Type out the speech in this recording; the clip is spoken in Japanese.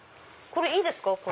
これいいですか？